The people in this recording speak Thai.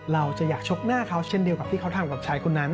เราจะอยากชกหน้าเขาเช่นเดียวกับที่เขาทำกับชายคนนั้น